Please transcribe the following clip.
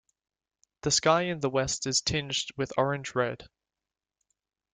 The sky in the west is tinged with orange red.